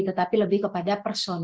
tetapi lebih kepada persone